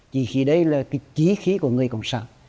chí khí đây là cái chí khí của người cộng sản